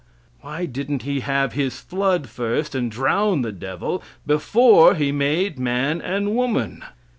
Why didn't He have His flood first and drown the devil, before He made man and woman?